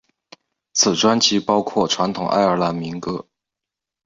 此专辑包括传统爱尔兰民歌。